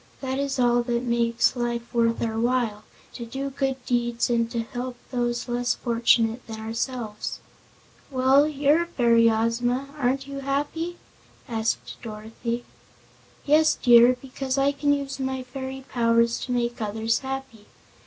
That is all that makes life worth our while to do good deeds and to help those less fortunate than ourselves." "Well, you're a fairy, Ozma. Aren't you happy?" asked Dorothy. "Yes, dear, because I can use my fairy powers to make others happy.